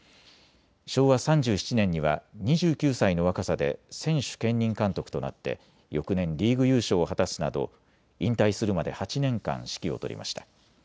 昭和３７年には２９歳の若さで選手兼任監督となって翌年リーグ優勝を果たすなど引退するまで８年間指揮を執りました。